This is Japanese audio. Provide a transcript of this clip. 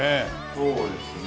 そうですね。